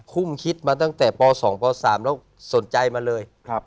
ุ่มคิดมาตั้งแต่ป๒ป๓แล้วสนใจมาเลย